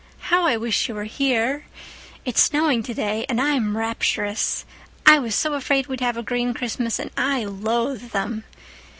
How I wish you were here! It's snowing today, and I'm rapturous. I was so afraid we'd have a green Christmas and I loathe them.